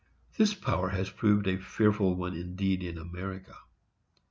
This power has proved a fearful one indeed in America.